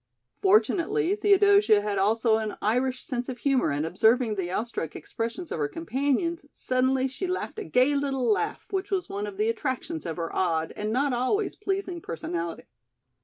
Fortunately Theodosia had also an Irish sense of humor and observing the awestruck expressions of her companions, suddenly she laughed a gay little laugh which was one of the attractions of her odd and not always pleasing personality.